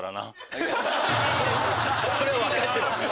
それ分かってますよ。